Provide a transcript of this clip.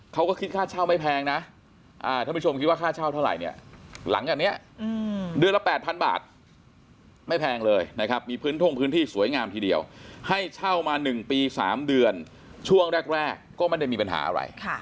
เดือนละ๘๐๐๐บาทไม่แพงเลยนะครับมีพื้นท่องพื้นที่สวยงามทีเดียวให้เช่ามา๑ปี๓เดือนช่วงแรกก็ไม่ได้มีปัญหาอะไร